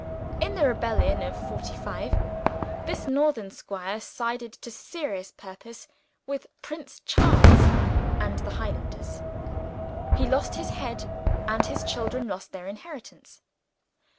In the rebellion of Forty Five, this northern squire sided to serious purpose with Prince Charles and the Highlanders. He lost his head; and his children lost their inheritance.